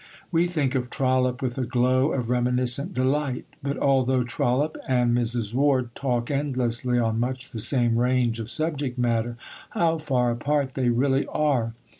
We think of Trollope with a glow of reminiscent delight; but although Trollope and Mrs. Ward talk endlessly on much the same range of subject matter, how far apart they really are!